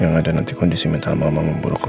yang ada nanti kondisi mental mama memburuk